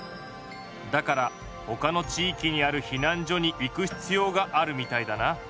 だからほかの地いきにある避難所に行くひつようがあるみたいだな。